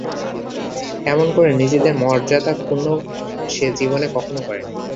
এমন করে নিজের মর্যাদা ক্ষুণ্ন সে জীবনে কখনো করে নি।